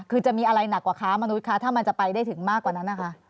คือจะมีอะไรหนักกว่าค้ามนุษยคะถ้ามันจะไปได้ถึงมากกว่านั้นนะคะ